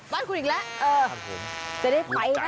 บ้านคู่อีกแล้วเออจะได้ไฟนะ